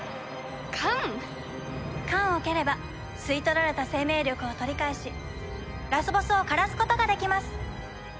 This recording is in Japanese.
缶を蹴れば吸い取られた生命力を取り返しラスボスを枯らすことができます。